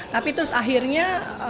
tapi terus akhirnya